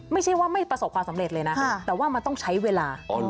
ไม่ใช่ว่าไม่ประสบความสำเร็จเลยนะแต่ว่ามันต้องใช้เวลา